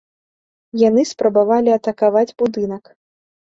Яны спрабавалі атакаваць будынак.